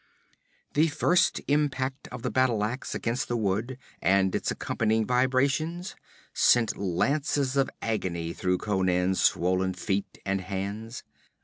The first impact of the battle ax against the wood and its accompanying vibrations sent lances of agony through Conan's swollen feet and hands.